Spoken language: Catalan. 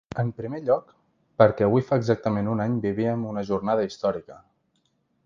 En primer lloc, perquè avui fa exactament un any vivíem una jornada històrica.